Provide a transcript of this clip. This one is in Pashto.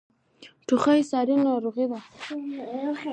ټوخی ساری ناروغۍ ده.